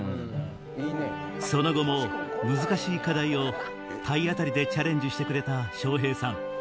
その後も難しい課題を体当たりでチャレンジしてくれた笑瓶さん